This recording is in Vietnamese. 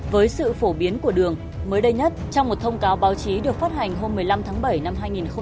với sự phổ biến của đường mới đây nhất trong một thông cáo báo chí được phát hành hôm một mươi năm tháng bảy năm hai nghìn một mươi chín